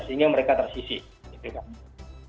sehingga mereka tersisih